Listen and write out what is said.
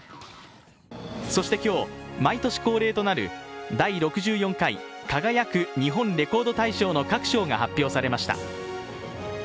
そして今日、毎年恒例となる「第６４回輝く！日本レコード大賞」の各賞が発表されました。